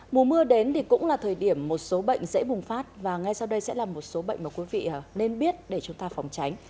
mùa mưa đến thì cũng là thời điểm một số bệnh dễ bùng phát và ngay sau đây sẽ là một số bệnh mà quý vị nên biết để chúng ta phòng tránh